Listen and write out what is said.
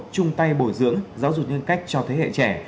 chung tay bồi dưỡng giáo dục nhân cách cho thế hệ trẻ